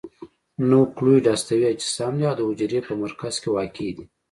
نوکلوئید هستوي اجسام دي او د حجرې په مرکز کې واقع دي.